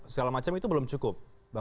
segala macam itu belum cukup